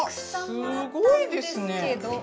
うわすごいですね。